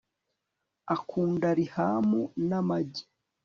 akunda rihamu n'amagi